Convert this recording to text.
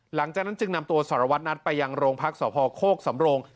หลังจากนั้นจึงนำตัวสารวัตนัทไปยังโรงพักษพโคกสำโรง